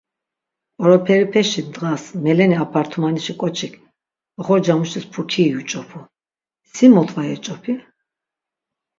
Qoroperipeşi ndgas meleni apartumanişi k̆oçik oxorcamuşis pukiri yuç̆opu, si mot va yeç̆opi?